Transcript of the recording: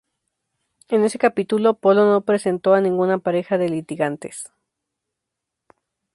En ese capítulo, Polo no presentó a ninguna pareja de litigantes.